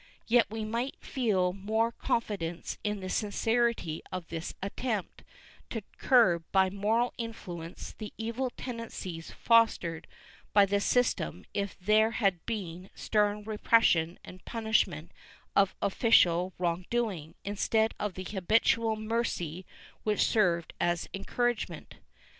^ Yet we might feel more confidence in the sincerity of this attempt to curb by moral influence the evil tendencies fostered by the system if there had been stern repression and punishment of official wrong doing, instead of the habitual mercy which served as an encouragement.